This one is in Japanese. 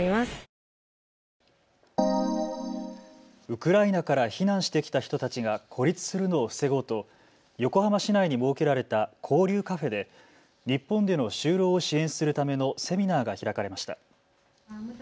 ウクライナから避難してきた人たちが孤立するのを防ごうと横浜市内に設けられた交流カフェで日本での就労を支援するためのセミナーが開かれました。